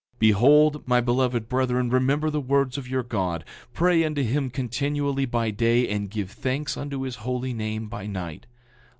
9:52 Behold, my beloved brethren, remember the words of your God; pray unto him continually by day, and give thanks unto his holy name by night.